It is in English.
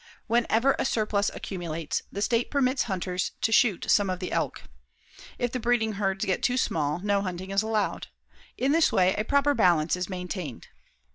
Whenever a surplus accumulates, the state permits hunters to shoot some of the elk. If the breeding herds get too small, no hunting is allowed. In this way, a proper balance is maintained.